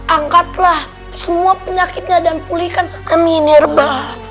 angkatlah semua penyakitnya dan pulihkan eminerba